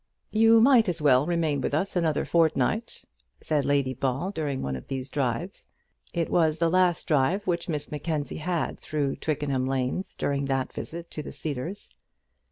"You might as well remain with us another fortnight," said Lady Ball during one of these drives. It was the last drive which Miss Mackenzie had through Twickenham lanes during that visit to the Cedars.